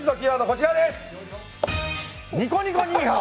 こちらです。